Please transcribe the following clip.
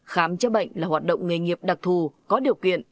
khám chữa bệnh là hoạt động nghề nghiệp đặc thù có điều kiện